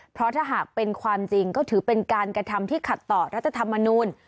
เพราะถ้าหากเป็นความจริงก็ถือเป็นการกระทำที่ขัดต่อรัฐธรรมนูล